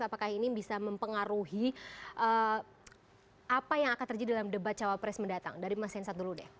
apakah ini bisa mempengaruhi apa yang akan terjadi dalam debat cawapres mendatang dari mas hensat dulu deh